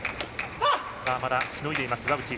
まだしのいでいます、岩渕。